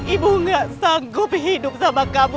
ibu gak sanggup hidup sama kamu